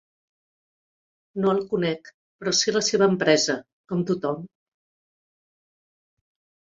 No el conec, però sí la seva empresa, com tothom.